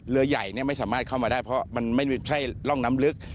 เรือใหญ่ไม่สามารถเข้ามาได้เพราะมันไม่ใช่ร่องน้ำลึก